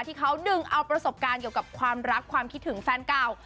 ที่เขาดึงเอาประสบการณ์เกี่ยวกับความรักความคิดถึงแฟนเก่า